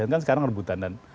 kan sekarang merebutan